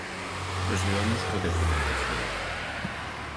Prosigamos co debate, por favor.